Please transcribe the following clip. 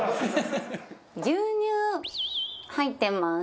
牛乳入ってます。